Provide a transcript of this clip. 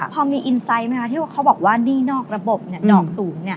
พอมีอินไซต์ที่เขาบอกว่านี่นอกระบบดอกสูง